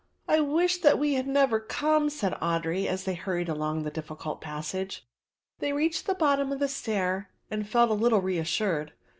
"I wish that we had never come," said Audry as they hurried along the difficult passage. They reached the bottom of the stair and felt a little reassured.